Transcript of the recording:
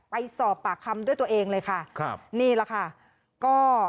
ไปสอบปากคำด้วยตัวเองเลยค่ะครับนี่แหละค่ะก็